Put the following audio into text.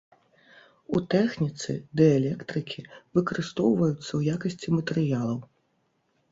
У тэхніцы дыэлектрыкі выкарыстоўваюцца ў якасці матэрыялаў.